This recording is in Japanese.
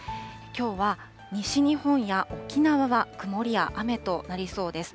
きょうは西日本や沖縄は曇りや雨となりそうです。